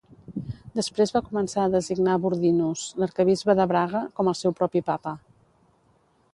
Després va començar a designar Burdinus, l'arquebisbe de Braga, com el seu propi Papa.